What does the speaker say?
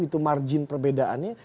itu margin perbedaannya